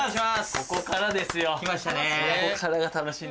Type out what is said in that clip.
ここからですよ。